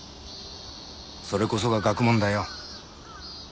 それこそが学問だよ。